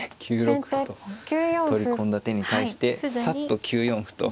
９六歩と取り込んだ手に対してさっと９四歩と。